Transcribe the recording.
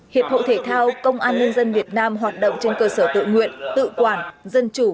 hiệp hội thể thao công an nhân dân việt nam hoạt động trên cơ sở tự nguyện tự quản dân chủ